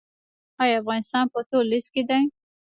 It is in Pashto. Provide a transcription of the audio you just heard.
آیا افغانستان په تور لیست کې دی؟